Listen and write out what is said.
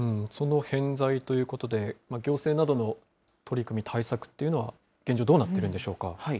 その偏在ということで、行政などの取り組み、対策というのは現状、どうなっているんでしょうか。